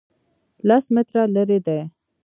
لس متره لرې دی